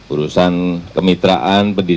urusan kemitraan pendidikan